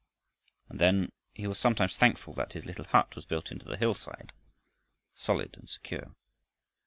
And then he was sometimes thankful that his little hut was built into the hillside, solid and secure.